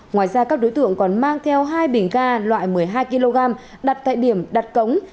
ngoài ra các đối tượng còn mang theo hai bình ga loại một mươi hai kg đặt tại điểm đặt cống